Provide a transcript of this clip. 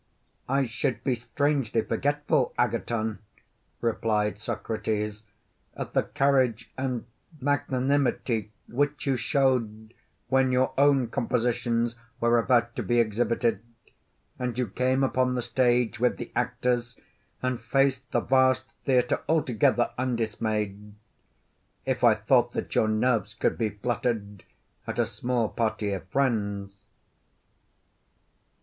I should be strangely forgetful, Agathon replied Socrates, of the courage and magnanimity which you showed when your own compositions were about to be exhibited, and you came upon the stage with the actors and faced the vast theatre altogether undismayed, if I thought that your nerves could be fluttered at a small party of friends.